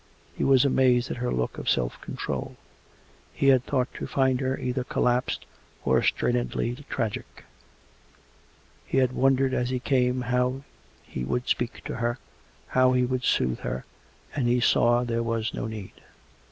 He was amazed at her look of self control; he had thought to find her either col lapsed or strainedly tragic: he had wondered as he came how he would speak to her, how he would soothe her, and he saw there was no need.